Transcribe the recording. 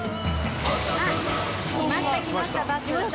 あっ来ました来ましたバス。